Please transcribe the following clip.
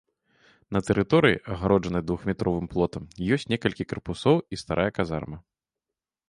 На тэрыторыі, агароджанай двухметровым плотам, ёсць некалькі карпусоў і старая казарма.